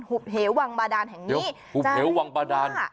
หุบเหววังบาดานแห่งนี้จะมีค่ะ